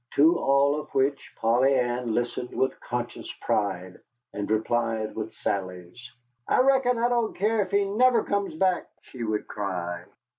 To all of which Polly Ann listened with conscious pride, and replied with sallies. "I reckon I don't care if he never comes back," she would cry.